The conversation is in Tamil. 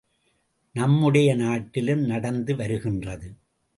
நம்முடைய நாட்டிலும் நடந்து வருகின்றது.